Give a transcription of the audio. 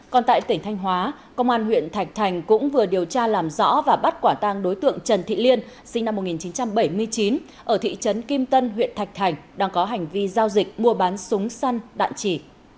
còn tại tỉnh thanh hóa công an huyện thạch thành cũng vừa điều tra làm rõ và bắt quả tang đối tượng trần thị liên sinh năm một nghìn chín trăm bảy mươi chín ở thị trấn kim tân huyện thạch thành đang có hành vi giao dịch mua bán súng săn đạn chỉ